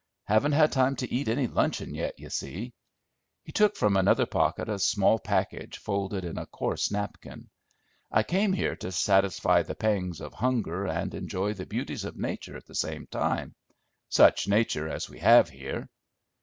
Haven't had time to eat any luncheon yet, you see." He took from another pocket a small package folded in a coarse napkin. "I came here to satisfy the pangs of hunger and enjoy the beauties of nature at the same time, such nature as we have here.